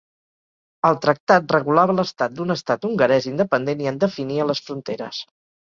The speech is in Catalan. El tractat regulava l'estat d'un estat hongarès independent i en definia les fronteres.